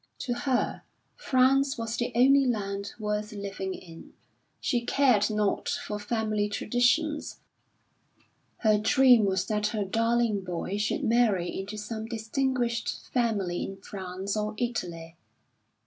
To her, France was the only land worth living in. She cared nought for family traditions; her dream was that her darling boy should marry into some distinguished family in France or Italy.